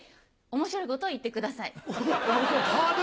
面白いこと言ってください。